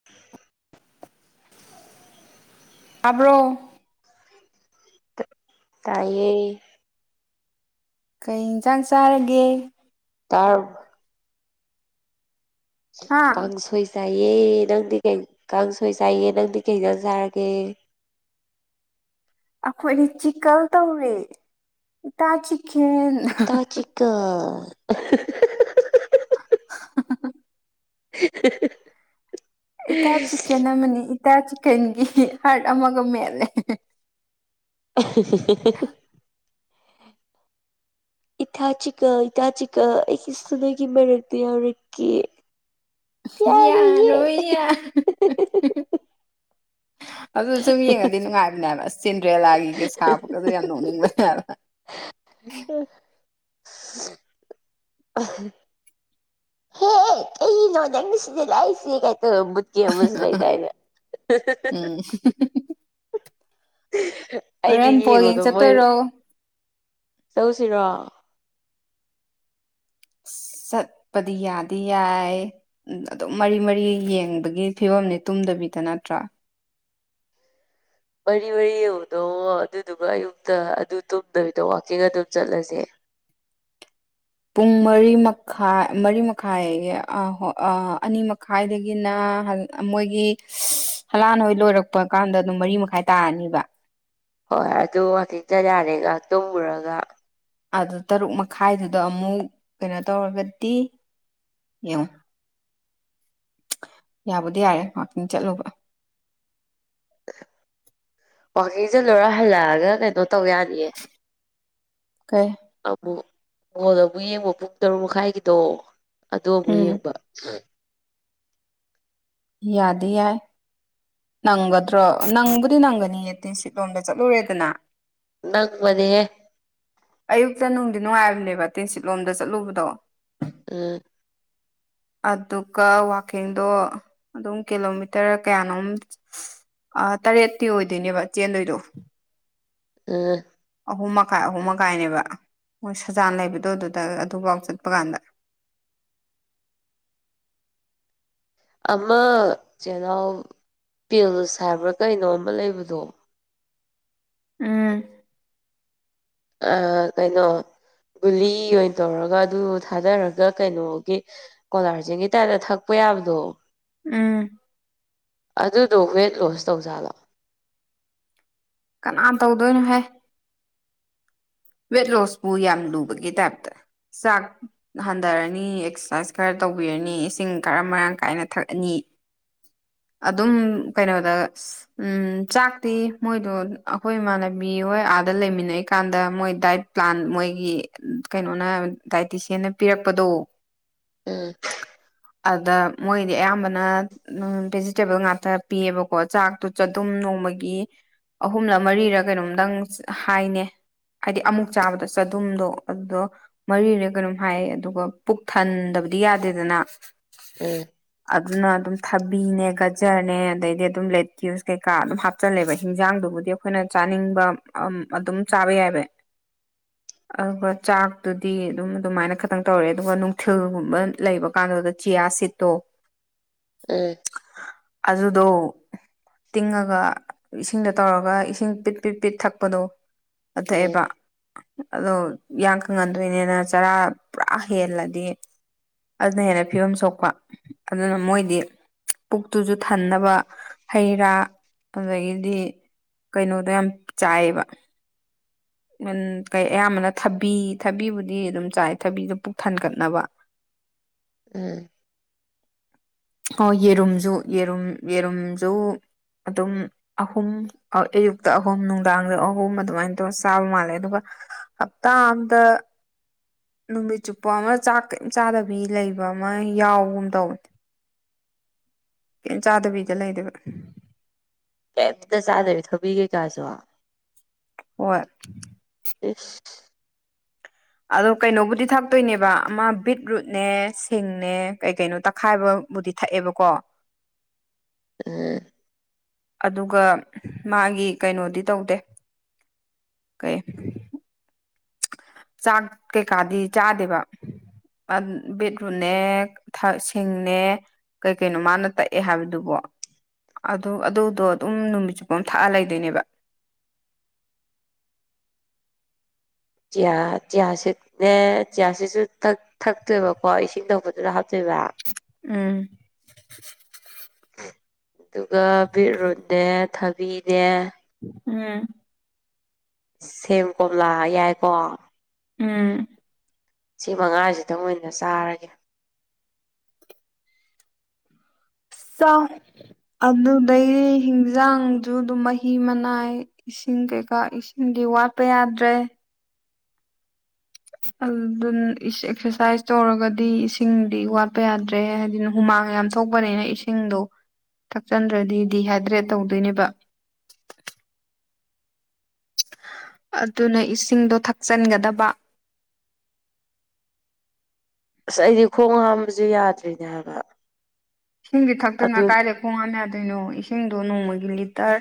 [unintelligible] ꯇꯥꯕ꯭ꯔꯣ ꯇꯥꯏꯌꯦ ꯀꯩ ꯏꯟꯁꯥꯡ ꯆꯥꯔꯒꯦ ꯇꯔ ꯍꯥ ꯀꯥꯡꯁꯣꯏ ꯆꯥꯏꯌꯦ ꯅꯪꯗꯤ ꯀꯩ ꯀꯥꯡꯁꯣꯏ ꯆꯥꯏꯌꯦ ꯅꯪꯗꯤ ꯀꯩ ꯏꯟꯖꯥꯡ ꯆꯥꯔꯒꯦ ꯑꯩꯈꯣꯏꯗꯤ ꯆꯤꯀꯜ ꯇꯧꯔꯦ ꯏꯇꯥ ꯆꯤꯛꯀꯦꯟ [unintelligible] [unintelligible] ꯏꯇꯥ ꯆꯤꯛꯀꯟ ꯑꯃꯅꯤ ꯏꯇꯥ ꯆꯤꯛꯀꯟꯒꯤ ꯍꯥꯔꯠ ꯑꯃꯒ ꯃꯦꯠꯂꯦ [unintelligible] [unintelligible] ꯏꯇꯥꯆꯤꯛꯀꯜ ꯏꯇꯥꯆꯤꯛꯀꯜ ꯑꯩꯒꯤꯁꯨ ꯅꯣꯏꯒꯤ ꯃꯔꯛꯇ ꯌꯥꯎꯔꯛꯀꯦ ꯌꯥꯔꯣꯏꯌꯦ ꯌꯥꯔꯣꯢ ꯌꯥꯔꯣꯢ ꯑꯗꯨ ꯁꯨꯝ ꯌꯦꯡꯉꯗꯤ ꯅꯨꯡꯉꯥꯏꯕꯅꯦꯕ ꯆꯦꯟꯗ꯭ꯔꯦꯂꯥꯒꯤꯒ ꯁꯥꯕꯒꯗꯣ ꯌꯥꯝ ꯅꯣꯛꯅꯤꯡꯕꯅꯦꯕ ꯑ [unintelligible] ꯇꯧꯔꯒ ꯄꯨꯠꯒꯤ ꯑꯃꯁꯨ ꯂꯩꯗꯥꯢꯅꯦ [unintelligible] ꯑꯩꯗꯤ ꯍꯣꯔꯦꯟ ꯕꯣꯜ ꯌꯦꯡ ꯌꯦꯡꯉꯣꯗꯣ ꯃꯣꯏ ꯆꯠꯇꯣꯏꯔꯣ ꯆꯧꯁꯤꯔꯣ ꯆꯠꯄꯗꯤ ꯌꯥꯗꯤ ꯌꯥꯏ ꯑꯗꯨꯝ ꯃꯔꯤ ꯃꯔꯤ ꯌꯦꯡꯕꯒꯤ ꯐꯤꯕꯝꯅꯤ ꯇꯨꯝꯗꯕꯤꯗ ꯅꯠꯇ꯭ꯔꯥ ꯃꯔꯤ ꯃꯔꯤ ꯌꯦꯡꯉꯕꯗꯣ ꯑꯗꯨꯗꯨꯒ ꯑꯌꯨꯛꯇ ꯑꯗꯨ ꯇꯨꯝꯗꯕꯤꯗ ꯋꯥꯋꯥꯛꯀꯤꯡ ꯑꯗꯨꯝ ꯆꯠꯂꯁꯦ ꯄꯨꯡ ꯃꯔꯤ ꯃꯈꯥꯏ ꯃꯔꯤ ꯃꯈꯥꯏ ꯑꯅꯤ ꯃꯈꯥꯏꯗꯒꯤꯅ ꯃꯣꯏꯒꯤ ꯍꯂꯥꯟ ꯍꯣꯏ ꯂꯣꯏꯔꯛꯄ ꯀꯥꯟꯗ ꯑꯗꯨꯝ ꯃꯔꯤ ꯃꯈꯥꯏ ꯇꯥꯔꯅꯤꯕ ꯍꯣꯏ ꯑꯗꯨꯒ ꯋꯥꯛꯒꯤꯡ ꯆꯠ ꯌꯥꯔꯦꯅ ꯉꯥꯏꯍꯥꯛ ꯇꯨꯝꯃꯨꯔꯒ ꯑꯗꯨ ꯇꯔꯨꯛ ꯃꯈꯥꯏꯗꯨꯗ ꯑꯃꯨꯛ ꯀꯩꯅꯣ ꯇꯧꯔꯒꯗꯤ ꯌꯦꯡꯉꯣ ꯌꯥꯕꯨꯗꯤ ꯌꯥꯢꯌꯦ ꯋꯥꯛꯀꯤꯡ ꯆꯠꯂꯨꯕ ꯋꯥꯛꯀꯤꯡ ꯆꯠꯂꯨꯔ ꯍꯜꯂꯛꯑꯒ ꯀꯩꯅꯣ ꯇꯧ ꯌꯥꯅꯤꯌꯦ ꯀꯩ ꯑꯃꯨꯛ ꯃꯣꯜ ꯑꯃꯨꯛ ꯌꯦꯡꯕ ꯄꯨꯡ ꯇꯔꯨꯛ ꯃꯈꯥꯏꯒꯤꯗꯣ ꯑꯗꯨ ꯑꯃꯨꯛ ꯎꯝ ꯌꯦꯡꯕ ꯌꯥꯗꯤ ꯌꯥꯢ ꯅꯪꯒꯗ꯭ꯔꯣ ꯅꯪꯕꯨꯗꯤ ꯅꯪꯒꯅꯤꯌꯦ ꯇꯤꯟꯁꯤꯠ ꯂꯣꯝꯗ ꯆꯠꯂꯨꯔꯦꯗꯅ ꯅꯪꯕꯅꯦꯍꯦ ꯑꯌꯨꯛꯇ ꯅꯨꯡꯗꯤ ꯅꯨꯡꯉꯥꯏꯕꯅꯦꯕ ꯇꯦꯟꯁꯤꯠꯂꯣꯝꯗ ꯆꯠꯂꯨꯕꯗꯣ ꯎꯝ ꯑꯗꯨꯒ ꯋꯥꯛꯀꯤꯡꯗꯣ ꯑꯗꯨꯝ ꯀꯤꯂꯣꯃꯤꯇꯔ ꯀꯌꯥꯅꯣꯝ ꯑꯥ ꯇꯔꯦꯠꯇꯤ ꯑꯣꯏꯗꯣꯏꯅꯦꯕ ꯆꯦꯟꯗꯣꯏꯗꯣ ꯎꯝ ꯑꯍꯨꯝ ꯃꯈꯥꯏ ꯑꯍꯨꯝ ꯃꯈꯥꯏꯅꯦꯕ ꯃꯣꯏ ꯁꯖꯥꯟ ꯂꯩꯕꯗꯣ ꯑꯗꯨꯗ ꯑꯗꯨꯐꯥꯎ ꯆꯠꯄ ꯀꯥꯟꯗ ꯑꯃ ꯆꯦꯅꯥꯎ ꯄꯦꯜꯁ ꯍꯥꯏꯕ꯭ꯔꯥ ꯀꯩꯅꯣ ꯑꯃ ꯂꯩꯕꯗꯣ ꯎꯝ ꯀꯩꯅꯣ ꯒꯨꯂꯤ ꯑꯣꯏꯅ ꯇꯧꯔꯒ ꯑꯗꯨ ꯊꯥꯗꯔꯒ ꯀꯩꯅꯣꯒꯤ ꯀꯣꯂꯥꯔꯖꯦꯟꯒꯤ ꯇꯥꯏꯞꯇ ꯊꯛꯄ ꯌꯥꯕꯗꯣ ꯎꯝ ꯑꯗꯨꯗꯣ ꯋꯦꯠ ꯂꯣꯁ ꯇꯧꯖꯥꯠꯂꯣ ꯀꯅꯥꯅ ꯇꯧꯗꯣꯏꯅꯣꯍꯦ ꯔꯦꯠ ꯂꯣꯁ ꯄꯨ ꯌꯥꯝ ꯂꯨꯕꯒꯤ ꯇꯥꯢꯞꯇ ꯆꯥꯛ ꯍꯟꯊꯔꯅꯤ ꯑꯦꯛꯁꯔꯁꯥꯏꯁ ꯈꯔ ꯇꯧꯕꯤꯔꯅꯤ ꯏꯁꯤꯡ ꯈꯔ ꯃꯔꯥꯡ ꯀꯥꯏꯅ ꯊꯛꯑꯅꯤ ꯑꯗꯨꯝ ꯀꯩꯅꯣꯗ ꯎꯝ ꯆꯥꯛꯇꯤ ꯃꯣꯏꯗꯣ ꯑꯩꯈꯣꯏ ꯏꯃꯥꯟꯅꯕꯤ ꯍꯣꯏ ꯑꯥꯗ ꯂꯩꯃꯤꯟꯅꯩꯀꯥꯟꯗ ꯃꯣꯏ ꯗꯥꯏꯠ ꯄ꯭ꯂꯥꯟ ꯃꯣꯏꯒꯤ ꯀꯩꯅꯣꯅ ꯗꯥꯏꯇ꯭ꯔꯤꯁꯤꯌꯥꯟꯅ ꯄꯤꯔꯛꯄꯗꯣ ꯎꯝ ꯑꯗ ꯃꯣꯏꯗꯤ ꯑꯌꯥꯝꯕꯅ ꯎꯝ ꯚꯦꯖꯤꯇꯦꯕꯜ ꯉꯥꯛꯇ ꯄꯤꯌꯦꯕꯀꯣ ꯆꯥꯛꯇꯨ ꯆꯗꯨꯝ ꯅꯣꯡꯃꯒꯤ ꯑꯍꯨꯝꯂ ꯃꯔꯤꯔ ꯀꯩꯅꯣꯝꯗꯪ ꯍꯥꯏꯅꯦ ꯍꯥꯏꯗꯤ ꯑꯃꯨꯛ ꯆꯥꯕꯗ ꯆꯗꯨꯝꯗꯣ ꯑꯗꯨꯗꯣ ꯃꯔꯤꯔ ꯀꯩꯅꯣꯝ ꯍꯥꯏ ꯑꯗꯨꯒ ꯄꯨꯛ ꯊꯟꯗꯕꯗꯤ ꯌꯥꯗꯦꯗꯅ ꯑꯦ ꯑꯗꯨꯅ ꯑꯗꯨꯝ ꯊꯕꯤꯅꯦ ꯒꯖꯔꯅꯦ ꯑꯗꯩꯗꯤ ꯑꯗꯨꯝ ꯂꯦꯇ꯭ꯌꯨꯁ ꯀꯩꯀꯥ ꯑꯗꯨꯝ ꯍꯥꯞꯆꯜꯂꯦꯕ ꯍꯤꯟꯖꯥꯡꯗꯨꯕꯨꯗꯤ ꯑꯩꯈꯣꯏꯅ ꯆꯥꯅꯤꯡꯕ ꯑꯝ ꯑꯗꯨꯝ ꯆꯥꯕ ꯌꯥꯏꯕ ꯑꯗꯨꯒ ꯆꯥꯛꯇꯨꯗꯤ ꯑꯗꯨꯝ ꯑꯗꯨꯃꯥꯏꯅ ꯈꯥꯇꯪ ꯇꯧꯔꯦ ꯑꯗꯨꯒ ꯅꯨꯡꯊꯤꯜꯒꯨꯝꯕ ꯂꯩꯕ ꯀꯥꯟꯗꯣ ꯆꯤꯌꯥ ꯁꯤꯠꯇꯣ ꯑꯦ ꯑꯗꯨꯗꯣ ꯇꯤꯡꯉꯒ ꯏꯁꯤꯡꯗ ꯇꯧꯔꯒ ꯏꯁꯤꯡ ꯄꯤꯠ ꯄꯤꯠ ꯄꯤꯠ ꯊꯛꯄꯗꯣ ꯗꯨ ꯎꯝ ꯊꯑꯦꯕ ꯑꯗꯣ ꯏꯌꯥꯡ ꯀꯪꯍꯟꯗꯣꯏꯅꯦꯅ ꯆꯔꯥ ꯄꯨꯔꯥ ꯍꯦꯜꯂꯗꯤ ꯑꯗꯨꯅ ꯍꯦꯟꯅ ꯐꯤꯚꯝ ꯁꯣꯛꯄ ꯑꯗꯨꯅ ꯃꯣꯏꯗꯤ ꯄꯨꯛꯇꯨꯁꯨ ꯊꯟꯅꯕ ꯍꯩ ꯔꯥ ꯑꯗꯨꯗꯒꯤꯗꯤ ꯀꯩꯅꯣꯗꯣ ꯌꯥꯝ ꯆꯥꯏꯕ ꯎꯝ ꯀꯩ ꯑꯌꯥꯝꯕꯅ ꯊꯕꯤ ꯊꯕꯤꯕꯨꯗꯤ ꯑꯗꯨꯝ ꯆꯥꯏ ꯊꯕꯤꯗꯣ ꯄꯨꯛ ꯊꯟꯒꯠꯅꯕ ꯎꯝ ꯍꯣꯏ ꯌꯦꯔꯨꯝꯁꯨ ꯌꯦꯔꯨꯝ ꯌꯦꯔꯨꯝꯖꯨ ꯑꯗꯨꯝ ꯑꯍꯨꯝ ꯑ ꯑꯌꯨꯛꯇ ꯑꯍꯨꯝ ꯅꯨꯡꯗꯥꯡꯗ ꯑꯍꯨꯝ ꯑꯗꯨꯃꯥꯏꯅ ꯇꯧꯔ ꯆꯥꯕ ꯃꯥꯜꯂꯦ ꯑꯗꯨꯒ ꯍꯥꯞꯇꯥ ꯑꯝꯗ ꯅꯨꯃꯤꯠ ꯆꯨꯞꯄ ꯑꯃ ꯆꯥꯛ ꯀꯩꯝ ꯆꯥꯗꯕꯤ ꯂꯩꯕ ꯑꯃ ꯌꯥꯎꯒꯨꯝ ꯇꯧꯝ ꯀ‌ꯦꯝ ꯆꯥꯗꯕꯤꯗ ꯂꯩꯗꯨꯏꯕ ꯀꯩꯝꯇ ꯆꯥꯗꯕꯤ ꯊꯥꯕꯤ ꯀꯩꯀꯥꯖꯨ ꯍꯣꯏ ꯏꯁ ꯑꯗꯣ ꯀꯩꯅꯣꯕꯨꯗꯤ ꯊꯥꯛꯇꯣꯏꯅꯦꯕ ꯑꯃ ꯕꯤꯠꯔꯨꯠꯅꯦ ꯁꯤꯡꯅꯦ ꯀꯩ ꯀꯩꯅꯣ ꯇꯛꯈꯥꯏꯕ ꯕꯨꯗꯤ ꯊꯑꯦꯕꯀꯣ ꯎꯝ ꯑꯗꯨꯒ ꯃꯥꯒꯤ ꯀꯩꯅꯣꯗꯤ ꯇꯧꯗꯦ ꯀꯩ ꯆꯥꯡ ꯀꯩꯀꯥꯗꯤ ꯆꯥꯗꯦꯕ ꯑꯟ ꯕꯤꯠꯔꯨꯠꯅꯦ ꯊ ꯁꯤꯡꯅꯦ ꯀꯩ ꯀꯩꯅꯣ ꯃꯥꯅ ꯇꯛꯑꯦ ꯍꯥꯏꯕꯗꯨꯕꯣ ꯑꯗꯨ ꯑꯗꯨꯗꯣ ꯑꯗꯨꯝ ꯅꯨꯃꯤꯠ ꯆꯨꯞꯄꯝ ꯊꯛꯑ ꯂꯩꯗꯣꯏꯅꯦꯕ ꯆꯤꯌꯥ ꯆꯤꯌꯥꯁꯤꯠ ꯅꯦ ꯆꯤꯌꯥꯁꯤꯠꯁꯨ ꯊꯛ ꯊꯛꯇꯣꯏꯕꯀꯣ ꯏꯁꯤꯡ ꯊꯛꯄꯗꯨꯗ ꯍꯥꯞꯇꯣꯏꯕꯥ ꯎꯝ ꯗꯨꯒ ꯕꯤꯠꯔꯨꯠꯅꯦ ꯊꯕꯤꯅꯦ ꯎꯝ ꯁꯦꯝ ꯀꯣꯝꯂꯥ ꯍ ꯌꯥꯏꯀꯣ ꯎꯝ ꯁꯤ ꯃꯉꯥꯁꯤꯗꯪ ꯑꯣꯏꯅ ꯆꯥꯔꯒꯦ ꯆꯥꯎ ꯑꯗꯨꯗꯩꯗꯤ ꯍꯤꯟꯖꯥꯡꯖꯨ ꯑꯗꯨꯝ ꯃꯍꯤ ꯃꯅꯥꯏ ꯏꯁꯤꯡ ꯀꯩꯀꯥ ꯏꯁꯤꯡꯗꯤ ꯋꯥꯠꯄ ꯌꯥꯗ꯭ꯔꯦ ꯑꯗꯨꯗꯨꯟ ꯏꯁ ꯑꯦꯛꯁꯔꯁꯥꯏꯁ ꯇꯧꯔꯒꯗꯤ ꯏꯁꯤꯡꯗꯤ ꯋꯥꯠꯄ ꯌꯥꯗ꯭ꯔꯦ ꯍꯥꯗꯤ ꯍꯨꯃꯥꯡ ꯌꯥꯝ ꯊ‌ꯣꯛꯄꯅꯤꯅ ꯏꯁꯤꯡꯗꯣ ꯊꯛꯆꯟꯗ꯭ꯔꯗꯤ ꯗꯤꯍꯥꯏꯗ꯭ꯔꯦꯠ ꯇꯧꯗꯣꯏꯅꯦꯕꯥ ꯑꯗꯨꯅ ꯏꯁꯤꯡꯗꯣ ꯊꯛꯆꯟꯒꯗꯕꯥ ꯑꯁ ꯑꯩꯗꯤ ꯈꯣꯡ ꯍꯥꯝꯕꯁꯨ ꯌꯥꯗ꯭ꯔꯤꯅꯦ ꯍꯥꯏꯕ ꯏꯁꯤꯡꯗꯤ ꯊꯛꯇꯅꯥ ꯑꯗꯨ ꯀꯥꯏ [unintelligible] ꯈꯣꯡꯍꯥꯝ ꯌꯥꯗ꯭ꯔꯤꯅꯣ ꯏꯁꯤꯡꯗꯣ ꯅꯣꯡꯃꯒꯤ ꯂꯤꯇꯔ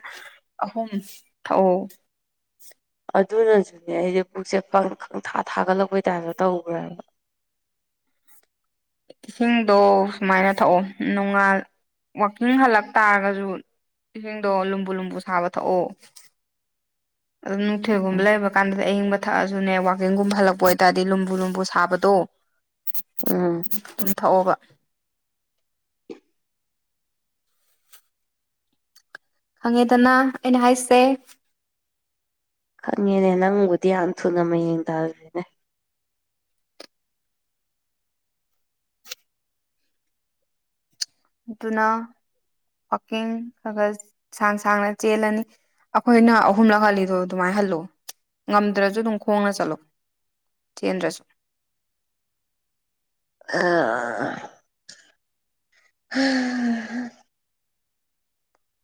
ꯑꯍꯨꯝ ꯊꯛꯑꯣ ꯑꯗꯨꯅꯖꯨꯅꯦ ꯑꯩꯖꯦ ꯄꯨꯛꯁꯦ ꯈꯪꯊꯥ ꯊꯥꯒꯠꯂꯛꯄꯩ ꯇꯥꯏꯞꯇ ꯇꯧꯈ꯭ꯔꯦ ꯍꯥꯏꯕ ꯏꯁꯤꯡꯗꯣ ꯁꯨꯃꯥꯏꯅ ꯊꯛꯑꯣ ꯅꯣꯡꯉꯥꯜ ꯋꯥꯛꯀꯤꯡ ꯍꯜꯂꯛ ꯇꯥꯔꯒꯁꯨ ꯏꯁꯤꯡꯗꯣ ꯂꯨꯝꯕꯨ ꯂꯨꯝꯕꯨ ꯁꯥꯕ ꯊꯛꯑꯣ ꯑꯗꯨꯝ ꯅꯨꯡꯊꯤꯜꯒꯨꯝꯕ ꯂꯩꯕ ꯀꯥꯟꯗꯗꯤ ꯑꯌꯤꯡꯕ ꯊꯛꯑꯁꯨꯅꯦ ꯋꯥꯛꯀꯤꯡꯒꯨꯝꯕ ꯍꯜꯂꯛꯄ ꯑꯣꯏꯇꯥꯔꯗꯤ ꯂꯨꯝꯕꯨ ꯂꯨꯝꯕꯨ ꯁꯥꯕꯗꯣ [inaudible] [inaudible] ꯑꯗꯨꯨꯝ ꯊꯛꯑꯣꯕ ꯈꯪꯉꯦꯗꯅ ꯑꯩꯅ ꯍꯥꯏꯁꯦ ꯈꯪꯉꯦꯅꯦ ꯅꯪꯕꯨꯗꯤ ꯌꯥꯝꯅ ꯊꯨꯅ ꯃꯌꯦꯡ ꯇꯥꯔꯈ꯭ꯔꯦꯅꯦ ꯑꯗꯨꯅ ꯋꯥꯛꯀꯤꯡ ꯈꯔ ꯈꯔ ꯁꯥꯡ ꯁꯥꯡꯅ ꯆꯦꯜꯂꯅꯤ ꯑꯩꯈꯣꯏꯅ ꯑꯍꯨꯝꯂꯛ ꯍꯜꯂꯤꯗꯣ ꯑꯗꯨꯃꯥꯏ ꯍꯜꯂꯣ ꯉꯝꯗ꯭ꯔꯁꯨ ꯑꯗꯨꯝ ꯈꯣꯡꯅ ꯆꯠꯂꯣ ꯆꯦꯟꯗ꯭ꯔꯁꯨ ꯑꯥ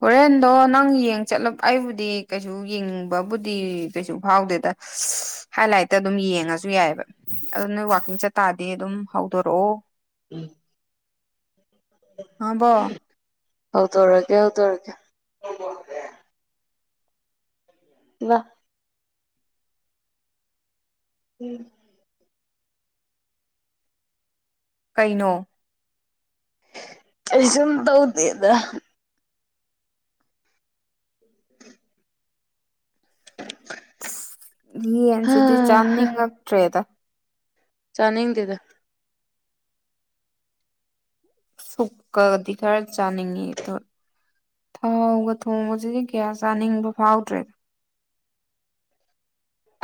ꯍꯣꯔꯦꯟꯗꯣ ꯅꯪ ꯌꯦꯡ ꯆꯠꯂꯣ ꯑꯩꯕꯨꯗꯤ ꯀꯩꯁꯨ ꯌꯦꯡꯅꯤꯡꯕꯕꯨꯗꯤ ꯀꯩꯁꯨ ꯐꯥꯎꯗꯦꯗ ꯍꯁ ꯍꯥꯏꯂꯥꯏꯠꯇ ꯑꯗꯨꯝ ꯌꯦꯡꯉꯁꯨ ꯌꯥꯏꯌꯦꯕ ꯑꯗꯨ ꯅꯣꯏ ꯋꯥꯥꯛꯀꯤꯡ ꯆꯠꯇꯥꯥꯔꯗꯤ ꯑꯗꯨꯝ ꯍꯧꯗꯣꯔꯛꯑꯣ ꯎꯝ ꯈꯪꯉꯕꯣ ꯍꯧꯗꯣꯔꯛꯀꯦ ꯍꯧꯗꯣꯔꯛꯀꯦ [unintelligible] [unintelligible] ꯎꯝ ꯀꯩꯅꯣ ꯀꯩꯁꯨꯨꯝ ꯇꯧꯗꯦꯗ [inaudible] ꯌꯦꯟꯁꯤꯗꯤ ꯆꯥꯅꯤꯡꯉꯛꯇ꯭ꯔꯦꯗ ꯆꯥꯅꯤꯡꯗꯦꯗ ꯁꯨꯛꯀꯗꯤ ꯈꯔ ꯆꯥꯅꯤꯡꯉꯤ ꯑꯗꯨ ꯊꯥꯎꯒ ꯊꯣꯡꯕꯁꯤꯗꯤ ꯀꯌꯥ ꯆꯥꯅꯤꯡꯕ ꯐꯥꯎꯗ꯭ꯔꯦꯗ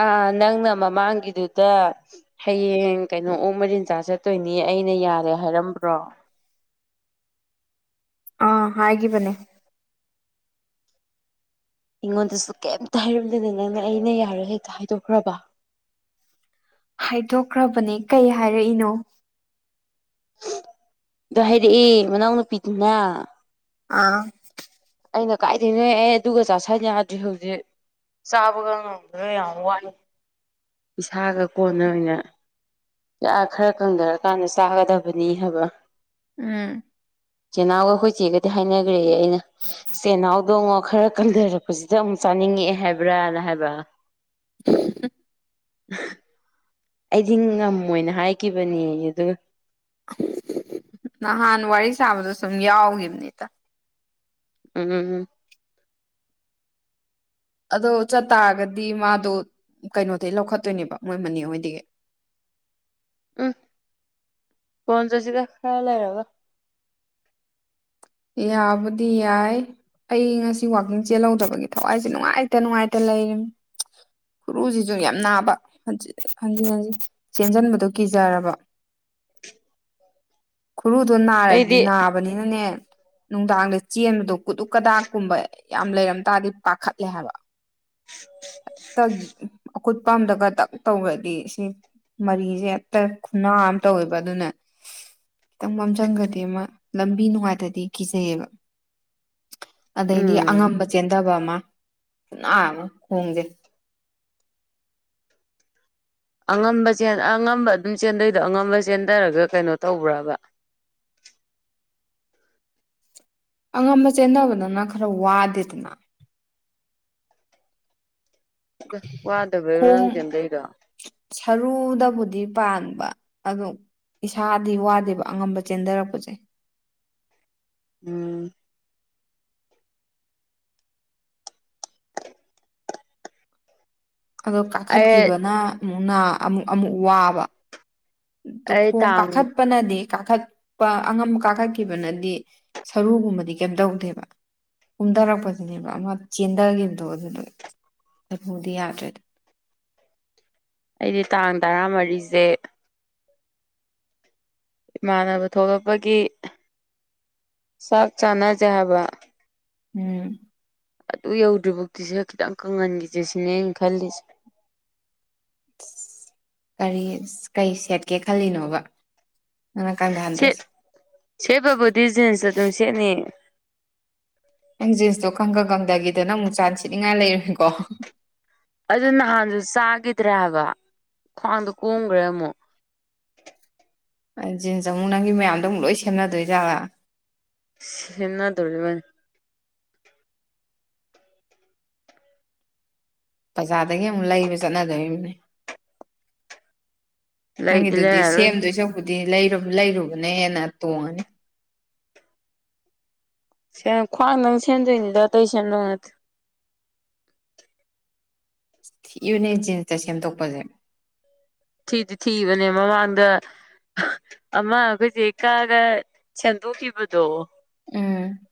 ꯑꯥ ꯅꯪꯅ ꯃꯃꯥꯡꯒꯤꯗꯨꯗ ꯍꯌꯦꯡ ꯀꯩꯅꯣ ꯑꯣꯛ ꯃꯔꯤꯟ ꯆꯥꯥ ꯆꯠꯇꯣꯏꯅꯤ ꯑꯩꯅ ꯌꯥꯔꯣꯏ ꯍꯥꯏꯔꯝꯕ꯭ꯔꯣ ꯑꯥ ꯍꯥꯏꯒꯤꯕꯅꯦ ꯑꯩꯉꯣꯟꯗꯁꯨ ꯀꯩꯝꯇ ꯍꯥꯏꯔꯝꯗꯅ ꯅꯪꯅ ꯑꯩꯅ ꯌꯥꯔꯣꯏ ꯍꯦꯛꯇ ꯍꯥꯏꯗꯣꯛꯈ꯭ꯔꯕ ꯍꯥꯏꯗꯣꯛꯈ꯭ꯔꯕꯅꯦ ꯀꯩ ꯍꯥꯏꯔꯛꯏꯅꯣ ꯑꯗꯣ ꯍꯥꯏꯔꯛꯑꯦ ꯃꯅꯥꯎꯅꯨꯄꯤꯗꯨꯅ ꯑꯥ ꯑꯩꯅ ꯀꯥꯏꯗꯒꯤꯅꯣꯍꯦ ꯑꯗꯨꯒ ꯆꯥꯁꯟ ꯌꯥꯗ꯭ꯔꯤ ꯍꯧꯖꯤꯛ ꯆꯥꯕꯒ ꯉꯝꯈꯤꯔꯣꯏ ꯌꯥꯝ ꯋꯥꯠꯂꯤ ꯏꯁꯥꯒ ꯀꯣꯟꯅ ꯑꯣꯏꯅ ꯌꯥ ꯈꯔ ꯀꯪꯗꯔꯀꯥꯟꯗ ꯆꯥꯒꯗꯕꯅꯤ ꯍꯥꯏꯕ ꯎꯝ ꯆꯦꯅꯥꯎꯒ ꯑꯩꯈꯣꯏ ꯆꯦꯒꯗꯤ ꯍꯥꯏꯅꯈ꯭ꯔꯦ ꯑꯩꯅ ꯆꯦꯅꯥꯎꯗꯣꯉꯣ ꯈꯔ ꯀꯪꯊꯔꯛꯄ ꯍꯧꯖꯤꯛꯇ ꯑꯃꯨꯛ ꯆꯥꯅꯤꯡꯉꯛꯑꯦ ꯍꯥꯏꯕ꯭ꯔꯥꯅ ꯍꯥꯏꯕ [unintelligible] [unintelligible] ꯑꯩꯗꯤ ꯉꯝꯃꯣꯏꯅ ꯍꯥꯏꯈꯤꯕꯅꯦꯌꯦ ꯑꯗꯨꯒ ꯅꯍꯥꯟ ꯋꯥꯔꯤ ꯁꯥꯕꯗ ꯁꯨꯝ ꯌꯥꯎꯈꯤꯕꯅꯤꯗ ꯎꯝ ꯑꯗꯣ ꯆꯠ ꯇꯥꯔꯒꯗꯤ ꯃꯥꯗꯣ ꯀꯩꯅꯣꯗꯒꯤ ꯂꯧꯈꯠꯇꯣꯏꯅꯦꯕ ꯃꯣꯏ ꯃꯅꯤ ꯍꯣꯏꯗꯒꯤ ꯎꯝ ꯀꯣꯟꯅ ꯆꯠꯁꯤꯗ ꯈꯔ ꯂꯩꯔꯒ ꯌꯥꯕꯨꯗꯤ ꯌꯥꯏ ꯑꯩ ꯉꯁꯤ ꯋꯥꯛꯀꯤꯡ ꯆꯦꯜꯍꯧꯗꯕꯒꯤ ꯊꯋꯥꯏꯁꯦ ꯅꯨꯡꯉꯥꯏꯇ ꯅꯨꯡꯉꯥꯏꯇ ꯂꯩꯔꯤꯕꯅꯤ ꯈꯨꯔꯨꯁꯤꯁꯨ ꯌꯥꯝ ꯅꯥꯕ ꯍꯟꯖꯤꯟ ꯍꯟꯖꯤꯟ ꯆꯦꯟꯁꯤꯟꯕꯗꯣ ꯀꯤꯖꯔꯕ ꯈꯨꯔꯨꯗꯣ ꯅꯥꯔꯗꯤ ꯑꯩꯗꯤ ꯅꯥꯕꯅꯤꯅꯅꯦ ꯅꯨꯡꯗꯥꯡꯗ ꯆꯦꯟꯕꯗꯣ ꯀꯨꯗꯨꯛ ꯀꯗꯥꯛꯀꯨꯝꯕ ꯌꯥꯝ ꯂꯩꯔꯝ ꯇꯥꯔꯗꯤ ꯄꯥꯈꯠꯂꯦ ꯍꯥꯏꯕ ꯑꯀꯨꯠꯄ ꯑꯃꯗꯒ ꯇꯛ ꯇꯧꯔꯗꯤ ꯁꯤ ꯃꯔꯤꯁꯦ ꯑꯦꯛꯇ ꯈꯨꯠꯅꯥ ꯑꯃ ꯇꯧꯋꯦꯕ ꯑꯗꯨꯅ ꯈꯤꯇꯪ ꯃꯝꯁꯤꯟꯒ꯭ꯔꯗꯤ ꯑꯃ ꯂꯝꯕꯤ ꯅꯨꯡꯉꯥꯏꯇ꯭ꯔꯗꯤ ꯀꯤꯖꯩꯌꯦꯕ ꯑꯗꯒꯤ ꯎꯝ ꯑꯉꯝꯕ ꯆꯦꯟꯗꯕ ꯑꯃ ꯈꯨꯅ ꯑꯃ ꯈꯣꯡꯁꯦ ꯑꯉꯝꯕ ꯑꯉꯝꯕ ꯑꯗꯨꯝ ꯆꯦꯟꯗꯣꯏꯗꯣ ꯑꯉꯝꯕ ꯆꯦꯟꯊꯔꯒ ꯀꯩꯅꯣ ꯇꯧꯕ꯭ꯔꯥꯕ ꯑꯉꯝꯕ ꯆꯦꯟꯅꯕꯗꯅ ꯈꯔ ꯋꯥꯗꯦꯗꯅ ꯑ ꯋꯥꯗꯕꯩꯔꯣ ꯈꯣꯡ ꯅꯪꯅ ꯆꯦꯟꯗꯔꯤꯗꯣ ꯁꯔꯨꯗꯕꯨꯗꯤ ꯄꯥꯛ ꯏꯁꯥꯗꯤ ꯋꯥꯗꯦꯕ ꯑꯉꯝꯕ ꯆꯦꯟꯊꯔꯛꯄꯁꯦ ꯎꯝ [unintelligible] ꯑꯗꯣ ꯑꯩ ꯀꯥꯈꯠꯈꯤꯕꯅ ꯑꯃꯨꯛꯅ ꯑꯃꯨꯛ ꯑꯃꯨꯛ ꯋꯥꯕ ꯑꯩ ꯇꯣꯈꯣꯡ ꯇꯥꯡ ꯀꯥꯈꯠꯄꯅꯗꯤ ꯀꯥꯈꯠꯄ ꯑꯉꯝꯕ ꯀꯥꯈꯠꯈꯤꯕꯅꯗꯤ ꯁꯔꯨꯒꯨꯝꯕꯗꯤ ꯀꯩꯝ ꯇꯧꯗꯦꯕ ꯀꯨꯝꯊꯔꯛꯄꯁꯤꯅꯦꯕ ꯑꯃ ꯆꯦꯟꯊꯈꯤꯕꯗꯣ ꯑꯗꯨꯗ ꯂꯐꯨꯗꯤ ꯌꯥꯗ꯭ꯔꯦꯗ ꯑꯩꯗꯤ ꯇꯥꯡ ꯇꯔꯥꯃꯔꯤꯁꯦ ꯏꯃꯥꯟꯅꯕ ꯊꯣꯛꯂꯛꯄꯒꯤ ꯆꯥꯛ ꯆꯥꯟꯅꯁꯦ ꯍꯥꯏꯕ ꯎꯝ ꯑꯗꯨ ꯌꯧꯗ꯭ꯔꯤ ꯐꯥꯎꯗꯤ ꯏꯁꯥꯁꯤ ꯈꯤꯇꯪ ꯀꯪꯍꯟꯈꯤꯁꯦ ꯁꯤꯅꯦ ꯑꯩꯅ ꯈꯜꯂꯤꯁꯦ ꯀꯔꯤ ꯀꯔꯤ ꯁꯦꯠꯀꯦ ꯈꯜꯂꯤꯅꯣꯕ ꯅꯪꯅ ꯁꯦꯠ ꯀꯪꯗꯍꯟꯗꯣꯏꯁꯦ ꯁꯦꯠꯄꯕꯨꯗꯤ ꯖꯤꯟꯁ ꯑꯗꯨꯝ ꯁꯦꯠꯅꯤ ꯅꯪ ꯖꯤꯟꯁꯁꯇꯣ ꯈꯪꯀ ꯀꯪꯗꯒꯤꯗꯅ ꯑꯃꯨꯛ ꯆꯥꯟꯅꯕ ꯁꯦꯠꯅꯤꯡꯉꯥꯏ ꯂꯩꯔꯣꯏꯀꯣ ꯑꯗꯨ ꯅꯍꯥꯟꯁꯨ ꯆꯥꯈꯤꯗ꯭ꯔꯦ ꯍꯥꯏꯕ ꯈ꯭ꯋꯥꯡꯗꯣ ꯀꯣꯝꯈ꯭ꯔꯦ ꯑꯃꯨꯛ ꯖꯤꯟꯁ ꯑꯃꯨꯛ ꯅꯪꯒꯤ ꯃꯌꯥꯝꯗꯣ ꯑꯃꯨꯛ ꯂꯣꯏ ꯁꯦꯝꯅꯗꯣꯏꯖꯥꯠꯂꯣ ꯁꯦꯝꯅꯗꯧꯔꯤꯕꯅꯤ ꯕꯖꯥꯔꯗꯒꯤ ꯑꯃꯨꯛ ꯂꯩꯕ ꯆꯠꯅꯗꯧꯔꯤꯕꯅꯤ ꯂꯩꯗꯤ ꯅꯪꯒꯤꯗꯨꯗꯤ ꯂꯩꯔꯔꯣꯏ ꯁꯦꯝꯗꯣꯏ ꯁꯥꯔꯨꯛꯄꯨꯗꯤ ꯂꯩꯔꯨꯕꯅ ꯍꯦꯟꯅ ꯇꯣꯡꯉꯅꯤ ꯈ꯭ꯋꯥꯡꯗꯪ ꯁꯦꯝꯗꯣꯏꯅꯤꯗ ꯑꯇꯩ ꯁꯦꯝꯗꯧ ꯅꯠꯇꯦ ꯊꯤꯕꯅꯦ ꯖꯤꯟꯁꯇ ꯁꯦꯝꯗꯣꯛꯄꯁꯦ ꯊꯤꯗꯤ ꯊꯤꯕꯅꯦ ꯃꯃꯥꯡꯗ ꯑꯃ ꯑꯩꯈꯣꯏ ꯆꯦꯒꯤ ꯀꯛꯑꯒ ꯁꯦꯝꯗꯣꯛꯈꯤꯕꯗꯣ ꯎꯝ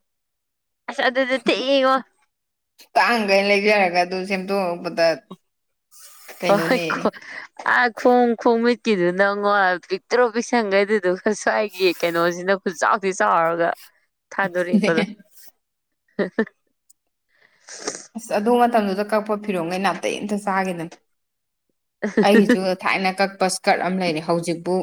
ꯑꯁ ꯑꯗꯨꯗꯤ ꯊꯤꯉꯣ ꯇꯥꯡꯈꯩ ꯂꯩꯖꯔꯒ ꯑꯗꯨ ꯁꯦꯝꯗꯣꯛꯄꯗ ꯀꯩꯅꯣꯅꯦ [unintelligible] ꯑꯥ ꯈꯣꯡ ꯈꯣꯡ ꯃꯤꯠꯀꯤꯗꯨ ꯅꯥ ꯉꯣ ꯄꯤꯛꯇ꯭ꯔꯨ ꯄꯤꯛꯁꯤꯟꯒꯔꯦ ꯑꯗꯨꯗꯨꯒꯥ ꯁ꯭ꯋꯥꯏꯒꯤ ꯀꯩꯅꯣꯁꯤꯅ ꯈꯨꯠꯆꯥꯎ ꯊꯤꯅ ꯆꯥꯎꯔꯒ ꯊꯥꯗꯣꯔꯤꯀꯗꯣ [unintelligible] ꯑꯁ ꯑꯗꯨ ꯃꯇꯝꯗꯨꯗ ꯀꯛꯄ ꯐꯤꯔꯣꯜꯈꯩꯩ ꯅꯥꯇꯩ ꯑꯃꯠꯇ ꯆꯥꯈꯤꯗꯕꯅꯦ ꯑꯩꯒꯤꯁꯨ ꯊꯥꯏꯅ ꯀꯛꯄ ꯏꯁꯀꯔꯠ ꯑꯃ ꯂꯩꯔꯦ ꯍꯧꯖꯤꯛꯄꯨ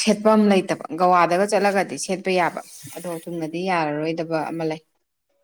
ꯁꯦꯠꯄꯝ ꯂꯩꯇꯕ ꯒꯥꯋꯥꯗꯒ ꯆꯠꯂꯒꯗꯤ ꯁꯦꯠꯄ ꯌꯥꯕ ꯑꯗꯣ ꯊꯨꯡꯅꯗꯤ ꯌꯥꯔꯔꯣꯏꯗꯕ ꯑꯃ ꯂꯩ